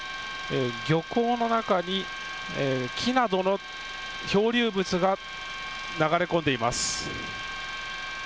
漁港の中に木などの漂流物が流れ込んでいます。